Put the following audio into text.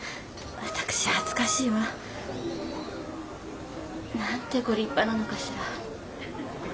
私恥ずかしいわ。なんてご立派なのかしら。